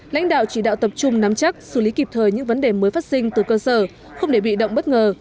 lãnh đạo chỉ đạo tập trung nắm chắc xử lý kịp thời những vấn đề mới phát sinh từ cơ sở không để bị động bất ngờ